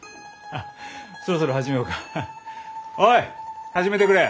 おい始めてくれ！